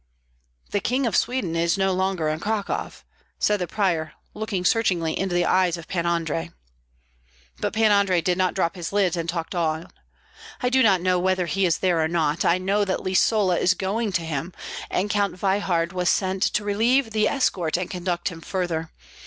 "The King of Sweden is no longer in Cracow," said the prior, looking searchingly into the eyes of Pan Andrei. But Pan Andrei did not drop his lids and talked on, "I do not know whether he is there or not. I know that Lisola is going to him, and Count Veyhard was sent to relieve the escort and conduct him farther.